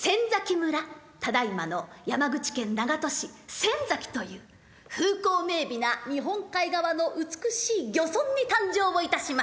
ただいまの山口県長門市仙崎という風光明美な日本海側の美しい漁村に誕生をいたします。